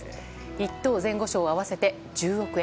１等前後賞合わせて１０億円。